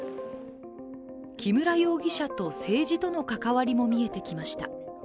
木村容疑者と政治との関わりも見えてきました